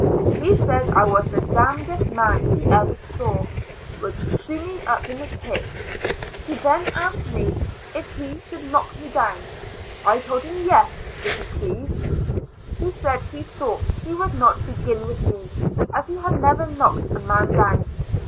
He said I was the damnedest man he ever saw; would sew me up in the tick. He then asked me if he should knock me down. I told him yes, if he pleased. He said he thought he would not begin with me, as he had never knocked a man down.